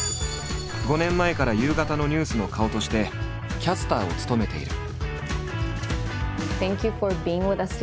５年前から夕方のニュースの顔としてキャスターを務めている。